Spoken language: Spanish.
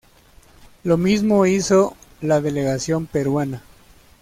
Lo mismo hizo la delegación peruana.